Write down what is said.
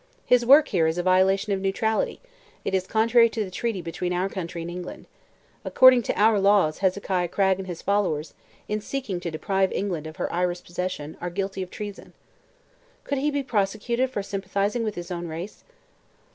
"His work here is a violation of neutrality; it is contrary to the treaty between our country and England. According to our laws Hezekiah Cragg and his followers, in seeking to deprive England of her Irish possession, are guilty of treason." "Could he be prosecuted for sympathizing with his own race?"